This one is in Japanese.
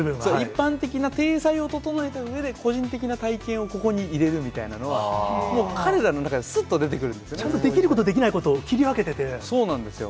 一般的な体裁を整えたうえで、個人的な体験をここに入れるみたいなのは、もう彼らの中ですっとちゃんとできることとできなそうなんですよ。